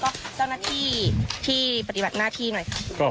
ก็เจ้าหน้าที่ที่ปฏิบัติหน้าที่หน่อยค่ะ